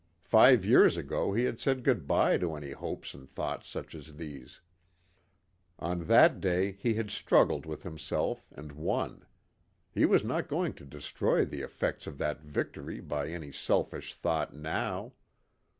Five years ago he had said good bye to any hopes and thoughts such as these. On that day he had struggled with himself and won. He was not going to destroy the effects of that victory by any selfish thought now.